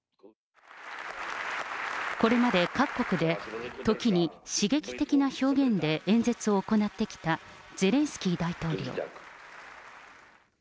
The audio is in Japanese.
これまで各国で、時に刺激的な表現で演説を行ってきたゼレンスキー大統領。